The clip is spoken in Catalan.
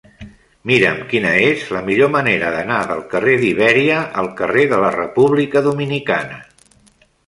Mira'm quina és la millor manera d'anar del carrer d'Ibèria al carrer de la República Dominicana.